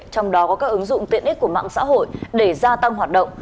trong đó có các ứng dụng tiện ích của mạng xã hội để gia tăng hoạt động